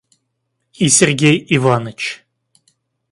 И Сергей Иваныч!